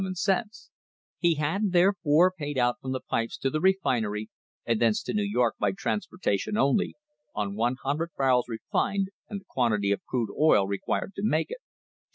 67; he had therefore paid out from the pipes to the refinery and thence to New York by transportation only, on 100 barrels refined and the quantity of crude oil required to make it, $236.